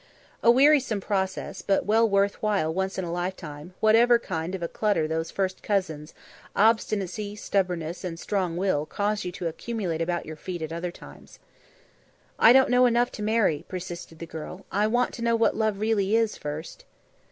A wearisome process, but well worth while once in a lifetime, whatever kind of a clutter those first cousins, obstinacy, stubbornness and strong will cause you to accumulate about your feet at other times. "I don't know enough to marry," persisted the girl. "I want to know what love really is, first."